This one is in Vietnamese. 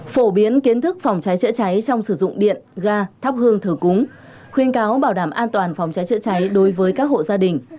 phổ biến kiến thức phòng cháy chữa cháy trong sử dụng điện ga thắp hương thờ cúng khuyên cáo bảo đảm an toàn phòng cháy chữa cháy đối với các hộ gia đình